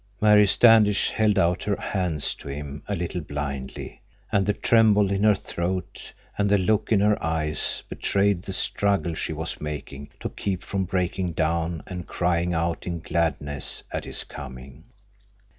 Mary Standish held out her hands to him a little blindly, and the tremble in her throat and the look in her eyes betrayed the struggle she was making to keep from breaking down and crying out in gladness at his coming.